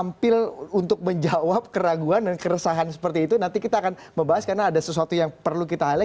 tampil untuk menjawab keraguan dan keresahan seperti itu nanti kita akan membahas karena ada sesuatu yang perlu kita high